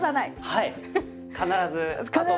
はい。